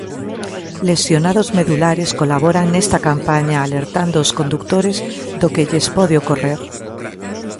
Lesionados medulares colaboran nesta campaña alertando os condutores do que lles pode ocorrer.